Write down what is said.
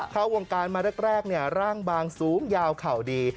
เข้าวงการมาแรกร่างบางสูงยาวเข่าดี